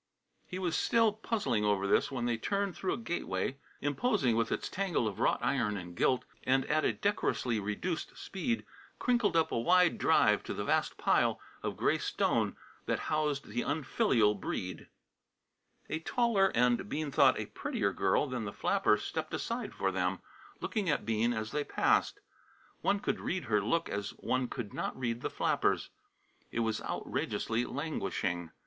He was still puzzling over this when they turned through a gateway, imposing with its tangle of wrought iron and gilt, and at a decorously reduced speed crinkled up a wide drive to the vast pile of gray stone that housed the un filial Breede. [Illustration: "Daughter!" said Breede, with half a glance at the flapper] A taller and, Bean thought, a prettier girl than the flapper stepped aside for them, looking at Bean as they passed. One could read her look as one could not read the flapper's. It was outrageously languishing.